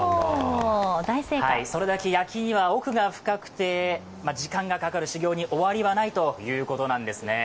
それだけ焼きは奥が深くて時間がかかる、修業に終わりはないということなんですね。